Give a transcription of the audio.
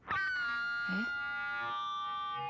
えっ？